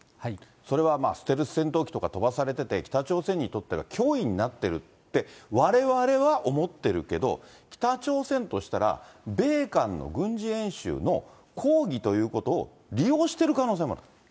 それはステルス戦闘機とか飛ばされてて、北朝鮮にとったら脅威になってるって、われわれは思ってるけど、北朝鮮としたら、米韓の軍事演習の抗議ということを利用してる可能性もある。